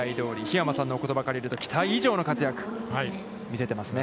桧山さんの言葉を借りると、期待以上の活躍を見せていますね。